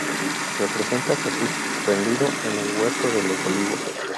Representa a Jesús prendido en el huerto de los Olivos.